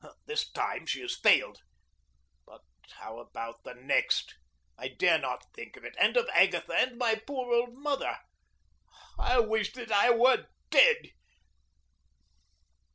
This time she has failed. But how about the next? I dare not think of it and of Agatha and my poor old mother! I wish that I were dead!